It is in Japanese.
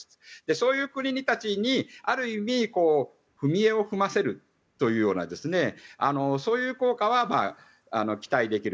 そういう国たちにある意味踏み絵を踏ませるというようなそういう効果は期待できる。